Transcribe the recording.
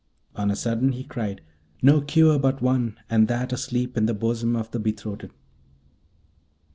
On a sudden he cried, 'No cure but one, and that a sleep in the bosom of the betrothed!'